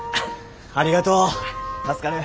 ありがとう助かる。